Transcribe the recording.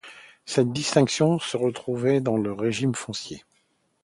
Cette distinction se retrouvait dans le régime foncier.